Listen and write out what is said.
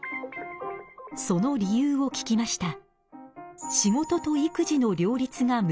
その理由を聞きました。